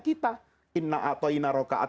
kita inna atau inna roka'at